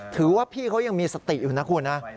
พี่เขายังมีสติอยู่นะคุณนะ